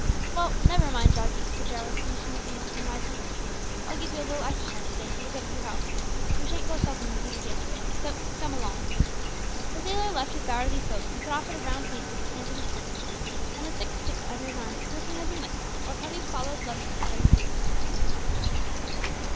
"Well, never mind, doggie," said Jarwin, finishing his meal, and rising. "I'll give you a little exercise to day for the good of your health. We shan't go sulking as we did yesterday; so, come along." The sailor left his bower as he spoke, and set off at a round pace with his hands in his pockets, and a thick stick under his arm, whistling as he went, while Cuffy followed lovingly at his heels.